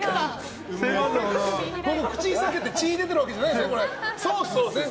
口が裂けて血が出てるわけじゃないですね。